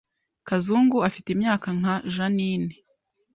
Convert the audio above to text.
Kazungu afite imyaka nka Jeaninne